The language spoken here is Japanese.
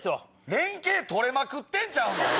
連携取れまくってんちゃうの？